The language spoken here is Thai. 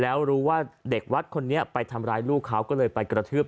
แล้วรู้ว่าเด็กวัดคนนี้ไปทำร้ายลูกเขาก็เลยไปกระทืบ